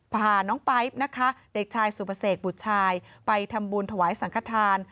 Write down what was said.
พาน้องไป๊บนะคะเด็กชายสุปเสกบุตรชายไปทำบุญถวายสังขทาน